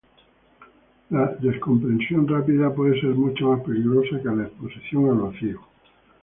La descompresión rápida puede ser mucho más peligrosa que la exposición al vacío.